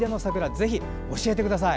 ぜひ教えてください。